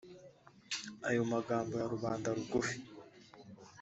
Ayo magambo ya rubanda rugufi